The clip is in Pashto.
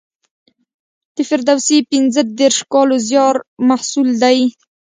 د فردوسي پنځه دېرش کالو زیار محصول دی.